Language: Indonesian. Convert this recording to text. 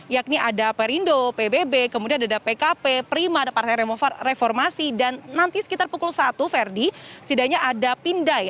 yakni ada perindo pbb kemudian ada pkp prima ada partai reformasi dan nanti sekitar pukul satu ferdi setidaknya ada pindai